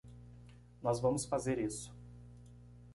Nós vamos fazer isso.